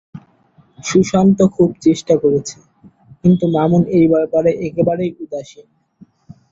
সুশান্ত খুব চেষ্টা করছে, কিন্তু মামুন এই ব্যাপারে একেবারেই উদাসীন।